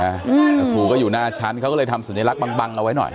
แล้วครูก็อยู่หน้าชั้นเขาก็เลยทำสัญลักษณ์บังบังเอาไว้หน่อย